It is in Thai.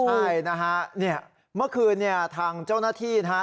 ใช่นะฮะเนี่ยเมื่อคืนเนี่ยทางเจ้าหน้าที่นะฮะ